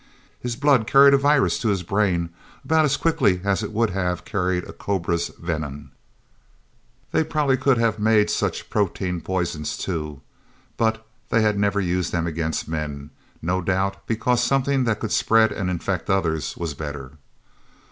His blood carried a virus to his brain about as quickly as it would have carried a cobra's venom. They probably could have made such protein poisons, too; but they had never used them against men, no doubt because something that could spread and infect others was better.